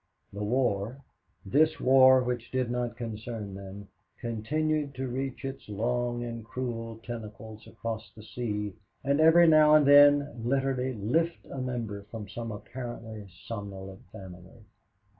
The war this war which did not concern them, continued to reach its long and cruel tentacles across the sea and every now and then literally lift a member from some apparently somnolent family.